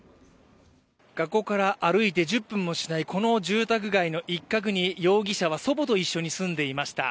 学校から歩いて１０分もしないこの住宅街の一角に容疑者は祖母と一緒に住んでいました。